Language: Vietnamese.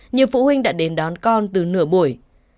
nhiều phụ huynh đã đến đón con từ nửa buổi